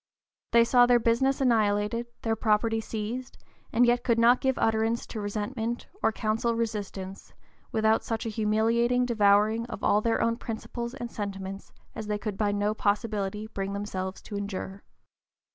They saw their business annihilated, their property seized, and yet could not give utterance to resentment, or counsel resistance, without such a humiliating devouring of all their own principles and sentiments as they could by no possibility bring themselves to endure.